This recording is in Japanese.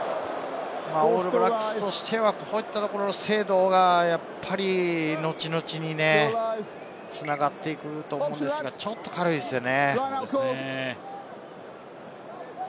オールブラックスとしてはこういったところの精度が、やっぱり、後々、繋がっていくと思うのですが、ちょっと軽いですね。